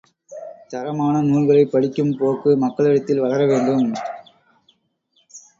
தரமான நூல்களைப் படிக்கும் போக்கு மக்களிடத்தில் வளர வேண்டும்.